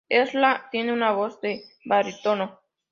Ezra tiene una voz de barítono.